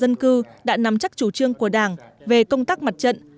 địa bàn dân cư đã nằm chắc chủ trương của đảng về công tác mặt trận